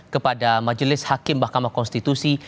kepada majelis hakim mahkamah konstitusi